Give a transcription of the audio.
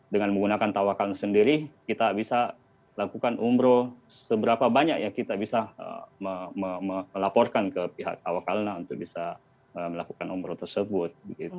dengan menggunakan tawakal sendiri kita bisa lakukan umroh seberapa banyak ya kita bisa melaporkan ke pihak tawakalna untuk bisa melakukan umroh tersebut